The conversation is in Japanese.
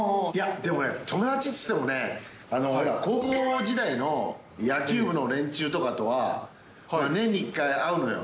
でもね、友達っていってもね、高校時代の野球部の連中とかとは、年に１回会うのよ。